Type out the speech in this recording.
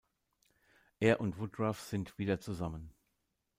Er und Woodruff sind wieder zusammen.